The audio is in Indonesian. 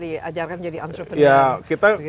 ya kita mengajarkan jadi kita mengajarkan jadi entrepreneur